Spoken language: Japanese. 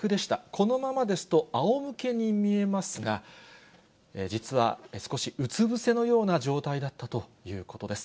このままですと、あおむけに見えますが、実は少しうつ伏せのような状態だったということです。